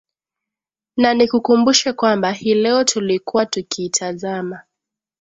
na nikukumbushe kwamba hii leo tulikuwa tukiitazama